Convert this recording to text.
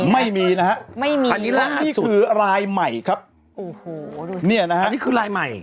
ไม่มีครับไม่มีล่าสุดอันนี้คือลายใหม่ครับนี่นะฮะอันนี้คือลายใหม่